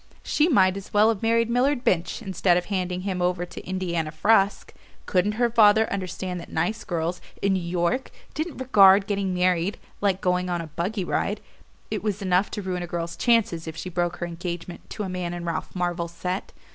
She might as well have married Millard Binch, instead of handing him over to Indiana Frusk! Couldn't her father understand that nice girls, in New York, didn't regard getting married like going on a buggy ride? It was enough to ruin a girl's chances if she broke her engagement to a man in Ralph Marvell's set.